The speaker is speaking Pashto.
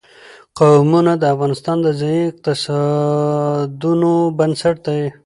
قومونه د افغانستان د ځایي اقتصادونو بنسټ دی.